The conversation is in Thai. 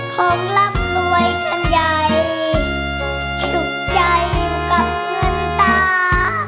ของรับรวยกันใหญ่ชุดใจกับเงินตา